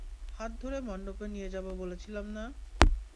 হাত ধরে মন্ডপে নিয়ে যাবো বলেছিলাম না?